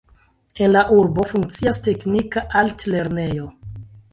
En la urbo funkcias teknika altlernejo.